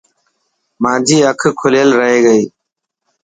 مانجي اک لکيل رهي گئي.